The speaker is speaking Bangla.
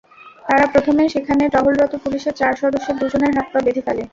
তারা প্রথমে সেখানে টহলরত পুলিশের চার সদস্যের দুজনের হাত-পা বেঁধে ফেলে।